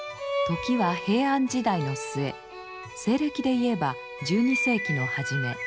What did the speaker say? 時は平安時代の末西暦で言えば１２世紀の初め。